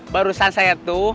barusan saya tuh